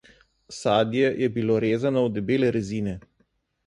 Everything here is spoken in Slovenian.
Sadje je bilo rezano v debele rezine.